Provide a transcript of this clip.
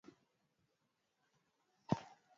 kabla ya kupanda viazi ni vyema kusafisha shamba